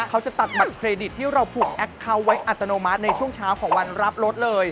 เขาจะตัดบัตรเครดิตที่เราผูกแอคเคาน์ไว้อัตโนมัติในช่วงเช้าของวันรับรถเลย